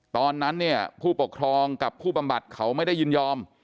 ตอนนั้นเนี่ยผู้ปกครองกับผู้บำบัดเขาไม่ได้ยินยอม